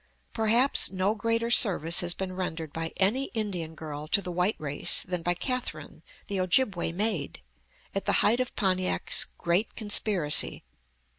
Perhaps no greater service has been rendered by any Indian girl to the white race than by Catherine, the Ojibway maid, at the height of Pontiac's great conspiracy.